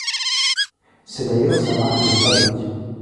C'est d'ailleurs sa marque de fabrique.